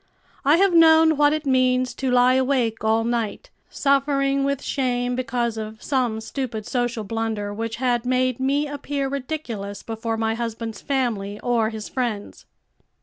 I have known what it means to lie awake all night, suffering with shame because of some stupid social blunder which had made me appear ridiculous before my husband's family or his friends."